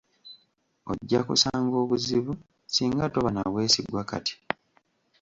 Ojja kusanga obuzibu singa toba nabwesigwa kati.